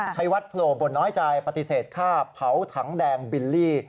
ใช้วัดโผล่บนน้อยใจปฏิเสธค่าเผาถังแดงบิลลี่